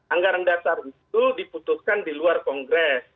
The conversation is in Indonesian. anggaran dasar itu diputuskan di luar kongres